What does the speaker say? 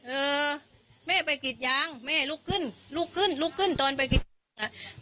เออแม่ไปกรีดยางแม่ลุกขึ้นลุกขึ้นลุกขึ้นตอนไปปิดอ่ะ